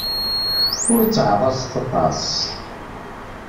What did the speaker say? Ur ttaḍḍaset aṭas.